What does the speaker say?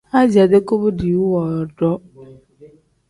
Aziya-dee koba diiwu woodoo.